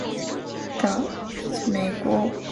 拍摄流程如丝般顺滑